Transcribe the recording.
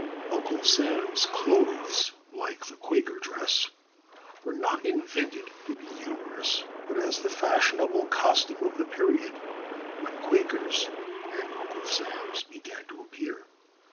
Uncle Sam's clothes, like the Quaker dress, were not invented to be humorous, but as the fashionable costume of the period when Quakers' and Uncle Sam's began to appear.